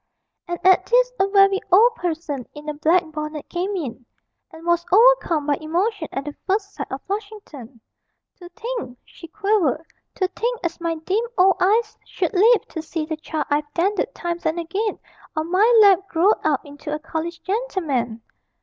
And at this a very old person in a black bonnet came in, and was overcome by emotion at the first sight of Flushington. 'To think,' she quavered, 'to think as my dim old eyes should live to see the child I've dandled times and again on my lap growed out into a college gentleman!'